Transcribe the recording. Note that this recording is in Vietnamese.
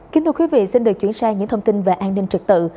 kính thưa quý vị xin được chuyển sang những thông tin về an ninh trực tự